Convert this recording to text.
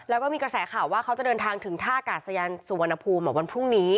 แล้วก็มีกระแสข่าวว่าเขาจะเดินทางถึงท่ากาศยานสุวรรณภูมิวันพรุ่งนี้